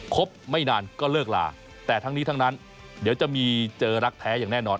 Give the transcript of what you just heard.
บไม่นานก็เลิกลาแต่ทั้งนี้ทั้งนั้นเดี๋ยวจะมีเจอรักแท้อย่างแน่นอน